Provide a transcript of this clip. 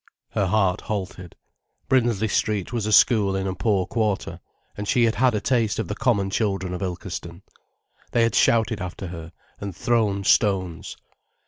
Her heart halted. Brinsley Street was a school in a poor quarter, and she had had a taste of the common children of Ilkeston. They had shouted after her and thrown stones.